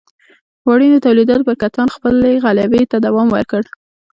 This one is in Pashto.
وړینو تولیداتو پر کتان خپلې غلبې ته دوام ورکړ.